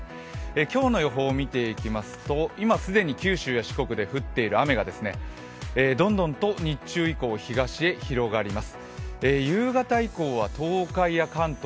今日の予報を見ていきますと今既に九州や四国で降っている雨がどんどんと日中以降東へ広がります。